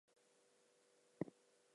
The bike was also fitted with Dunlop tyres.